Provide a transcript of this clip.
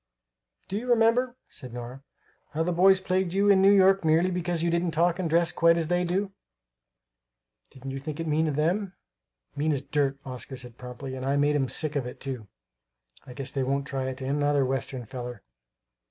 "Do you remember," said Nora, "how the boys plagued you in New York, merely because you didn't talk and dress quite as they do? Didn't you think it mean of them?" "Mean as dirt," Oscar said promptly; "and I made 'em sick of it, too. I guess they won't try it on another Western feller!"